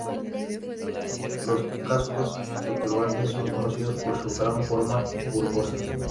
Los cascos de turbante son conocidos por su gran forma bulbosa.